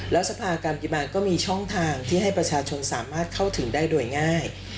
แล้วสภาการปฏิมาก็มีช่องทางที่ให้ประชาชนสามารถเข้าถึงได้โดยง่าย